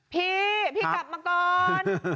พี่กลับมาก่อน